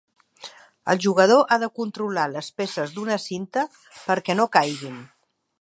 El jugador ha de controlar les peces d'una cinta perquè no caiguin.